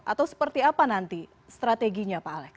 atau seperti apa nanti strateginya pak alex